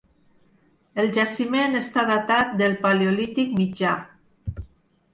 El jaciment està datat del Paleolític Mitjà.